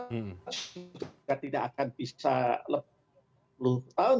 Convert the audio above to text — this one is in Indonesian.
itu juga tidak akan bisa lebih dari sepuluh tahun